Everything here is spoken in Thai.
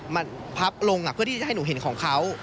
มันพับลงเพื่อที่จะให้หนูเห็นของเขา